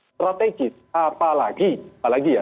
strategis apalagi apalagi ya